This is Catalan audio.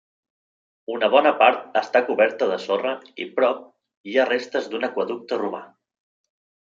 Una bona part està coberta de sorra i prop hi ha restes d'un aqüeducte romà.